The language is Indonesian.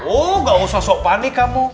oh gak usah sok panik kamu